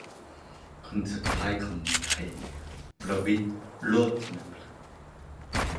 คนสุดท้ายของเมืองไทย ประวิตร โรจนพฤกษ์